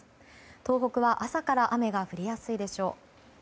東北は朝から雨が降りやすいでしょう。